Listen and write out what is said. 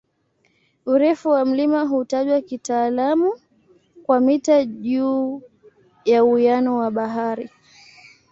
Urefu wa mlima hutajwa kitaalamu kwa "mita juu ya uwiano wa bahari".